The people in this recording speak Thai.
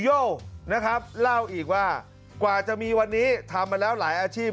โยนะครับเล่าอีกว่ากว่าจะมีวันนี้ทำมาแล้วหลายอาชีพ